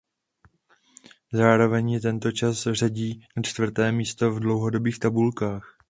Zároveň ji tento čas řadí na čtvrté místo v dlouhodobých tabulkách.